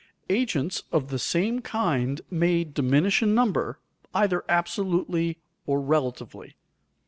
Agents of the same kind may diminish in number, either absolutely or relatively.